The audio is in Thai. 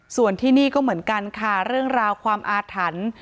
ส่วนที่นี่ก็เหมือนกันค่ะเรื่องราวความอาถรรพ์